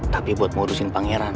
tapi buat modusin pangeran